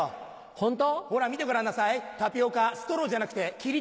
ホント？